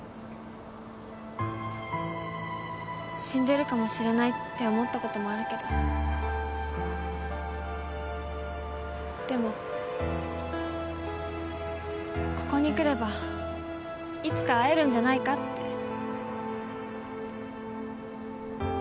死んでるかもしれないって思った事もあるけどでもここに来ればいつか会えるんじゃないかって。